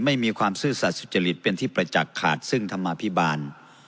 ไม่มีความซื่อสัตว์สุจริตเป็นที่ประจักษ์ขาดซึ่งธรรมาภิบาล